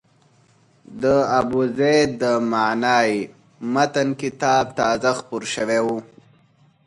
د ابوزید د معنای متن کتاب تازه خپور شوی و.